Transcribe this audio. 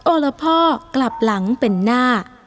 โอละพ่อกลับหลังเป็นหน้า